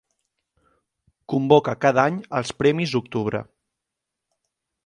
Convoca cada any els Premis Octubre.